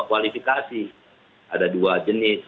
kualifikasi ada dua jenis